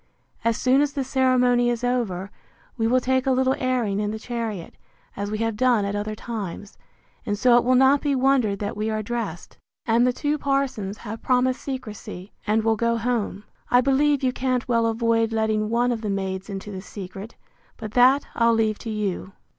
As soon as the ceremony is over, we will take a little airing in the chariot, as we have done at other times; and so it will not be wondered that we are dressed. And the two parsons have promised secrecy, and will go home. I believe you can't well avoid letting one of the maids into the secret; but that I'll leave to you.